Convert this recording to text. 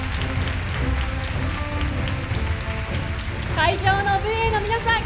会場の武衛の皆さん